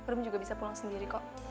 romi juga bisa pulang sendiri kok